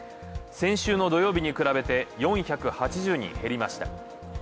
先週の土曜日に比べて４８０人減りました。